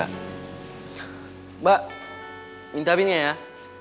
mbak minta bintangnya ya